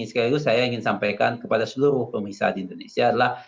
sekaligus saya ingin sampaikan kepada seluruh pemirsa di indonesia adalah